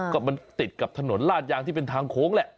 ก็มันติดกับถนนลาดยางที่เป็นทางโค้งแหละ